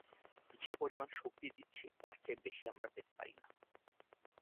যে পরিমাণ শক্তি দিচ্ছি তার চেয়ে বেশি আমরা পেতে পারি না।